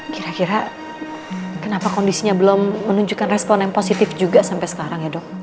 kira kira kenapa kondisinya belum menunjukkan respon yang positif juga sampai sekarang ya dok